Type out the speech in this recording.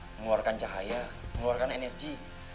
mengeluarkan cahaya mengeluarkan energi